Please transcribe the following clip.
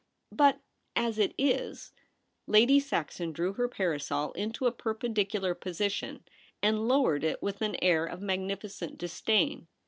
But as it Is ' Lady Saxon drew her parasol into a perpendicular position and lowered It with an air of magnificent disdain.